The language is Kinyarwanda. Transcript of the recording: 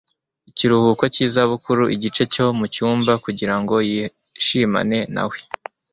ikiruhuko cy'izabukuru igice cyo mucyumba kugira ngo yishimane na we